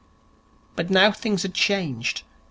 But now things had changed.